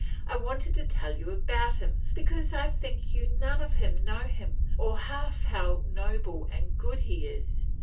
I wanted to tell you about him, because I think you none of you know him, or half how noble and good he is!